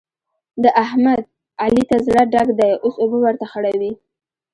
د احمد؛ علي ته زړه ډک دی اوس اوبه ورته خړوي.